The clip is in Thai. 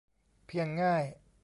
เพียงง่าย